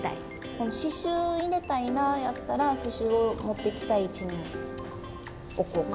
この刺しゅう入れたいなやったら刺しゅうを持ってきたい位置に置こうか。